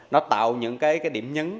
nó tạo những điểm nhấn